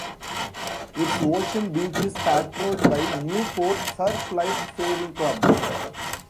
Its ocean beach is patrolled by Newport Surf Life Saving Club.